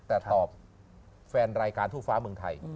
แต่ตอบแฟนรายการทั่วฟ้าเมืองไทย